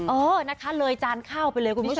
เออนะคะเลยจานข้าวไปเลยคุณผู้ชม